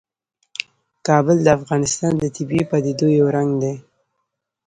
کابل د افغانستان د طبیعي پدیدو یو رنګ دی.